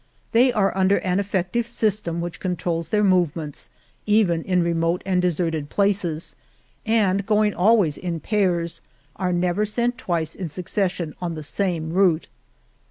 They are under an effective system which controls their movements even in remote and deserted places, and going always in pairs, are never sent twice in succession on the same route.